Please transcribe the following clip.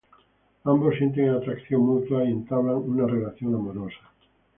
Ambos sienten atracción mutua, y entablan una relación amorosa.